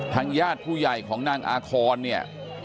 ทางญาติผู้ใหญ่ของนางอาคอนเนี่ย